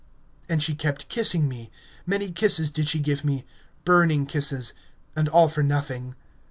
And she kept kissing me ... many kisses did she give me ... burning kisses ... and all for nothing...